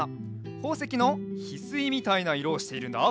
ほうせきのヒスイみたいないろをしているんだ。